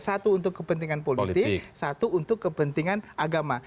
satu untuk kepentingan politik satu untuk kepentingan agama